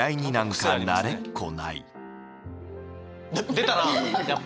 出たな！